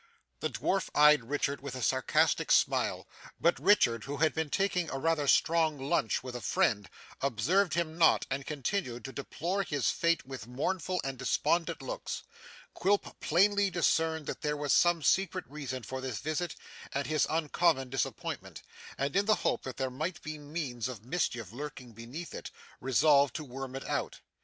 The dwarf eyed Richard with a sarcastic smile, but Richard, who had been taking a rather strong lunch with a friend, observed him not, and continued to deplore his fate with mournful and despondent looks. Quilp plainly discerned that there was some secret reason for this visit and his uncommon disappointment, and, in the hope that there might be means of mischief lurking beneath it, resolved to worm it out.